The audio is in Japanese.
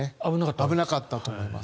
危なかったと思います。